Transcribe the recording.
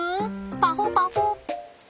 パホパホ。